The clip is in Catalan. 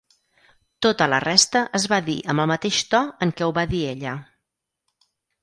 Toda la resta es va dir amb el mateix to en què ho va dir ella.